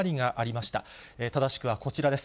正しくはこちらです。